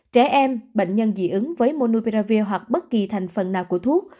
trẻ em bệnh nhân dị ứng với monupravi hoặc bất kỳ thành phần nào của thuốc